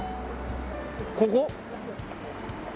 ここ？